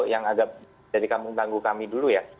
yang agak dari tanggung kami dulu ya